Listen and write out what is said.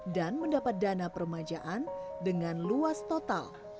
dan mendapat dana permajaan dengan luas total dua puluh delapan hektare